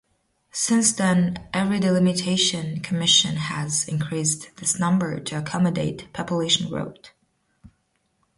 Since then, every Delimitation Commission has increased this number to accommodate population growth.